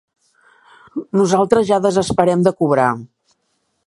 Nosaltres ja desesperem de cobrar.